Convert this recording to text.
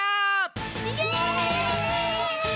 イエーイ！